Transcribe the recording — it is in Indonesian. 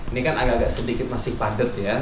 ini kan agak agak sedikit masih padat ya